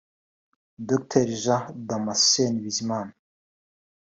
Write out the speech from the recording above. Dr Jean Damascène Bizimana